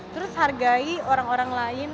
terus hargai orang orang lain